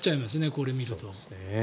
これを見ると。